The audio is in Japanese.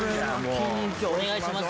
お願いします。